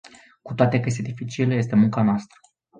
Cu toate că este dificil, este munca noastră.